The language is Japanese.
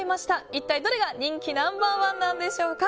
一体どれが人気ナンバー１なんでしょうか。